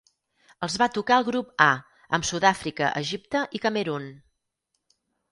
Els va tocar el grup A amb Sudàfrica, Egipte i Camerun.